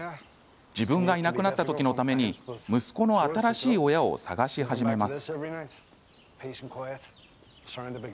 自分がいなくなった時のために息子の新しい親を探し始めます。